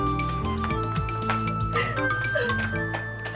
bagaimana cara menyingkirkan janin ini